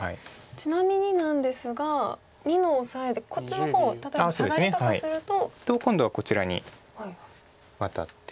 ちなみになんですが②のオサエでこっちの方を例えばサガリとかすると。と今度はこちらにワタって。